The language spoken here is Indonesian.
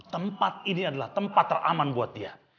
tempat ini adalah tempat teraman buat dia